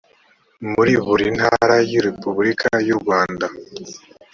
muri buri ntara ya repubulika y urwanda